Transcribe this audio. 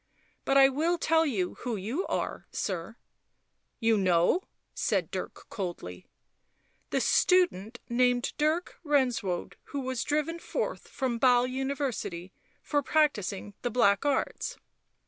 " But I will tell you who you are, sir." " You know ?" said Dirk coldly. " The student named Dirk Renswoude who was driven forth from Basle University for practising the black arts."